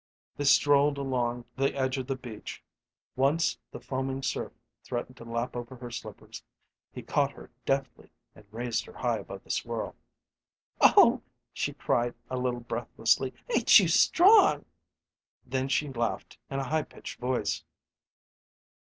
They strolled along the edge of the beach. Once the foaming surf threatened to lap over her slippers; he caught her deftly and raised her high above the swirl. "Oh," she cried, a little breathlessly, "ain't you strong!" Then she laughed in a high pitched voice.